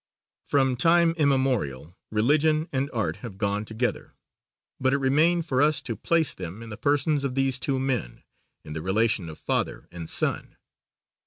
From time immemorial, Religion and Art have gone together, but it remained for us to place them in the persons of these two men, in the relation of father and son.